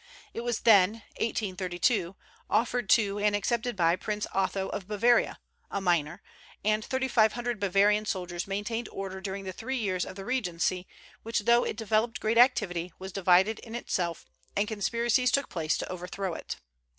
It was then (1832) offered to and accepted by Prince Otho of Bavaria, a minor; and thirty five hundred Bavarian soldiers maintained order during the three years of the regency, which, though it developed great activity, was divided in itself, and conspiracies took place to overthrow it.